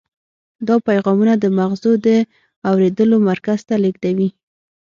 دا پیغامونه د مغزو د اورېدلو مرکز ته لیږدوي.